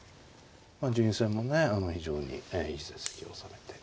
順位戦もね非常にいい成績を収めて。